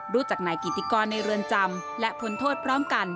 รู้จักนายกิติกรในเรือนจำและพ้นโทษพร้อมกัน